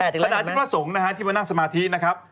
ทะดะที่พระสงฆ์ที่มานั่งสมาธินะครับ